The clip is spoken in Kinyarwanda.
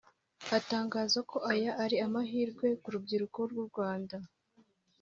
atangaza ko aya ari amahirwe ku rubyiruko rw’u Rwanda